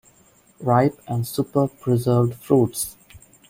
Ripe and super preserved fruits.